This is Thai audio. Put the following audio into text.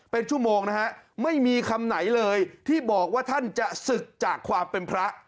เป็นชั่วโมงนะฮะไม่มีคำไหนเลยที่บอกว่าท่านจะศึกจากความเป็นพระ